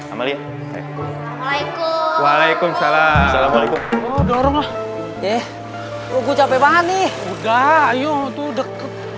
amalia waalaikumsalam waalaikumsalam waalaikumsalam dorong loh ya gue capek banget nih udah ayo tuh udah